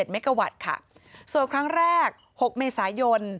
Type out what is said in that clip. ๒๕๕๙๒๘๓๕๑๗เมกาวัตต์ค่ะส่วนครั้งแรก๖เมษายน